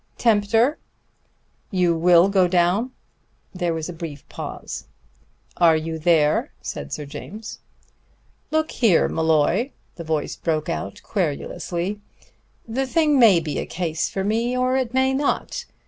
"Tempter!" "You will go down?" There was a brief pause. "Are you there?" said Sir James. "Look here, Molloy," the voice broke out querulously, "the thing may be a case for me, or it may not.